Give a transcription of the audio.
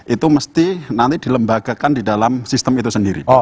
itu mesti nanti dilembagakan di dalam sistem itu sendiri